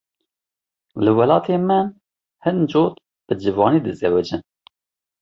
Li welatê min hin cot bi ciwanî dizewicin.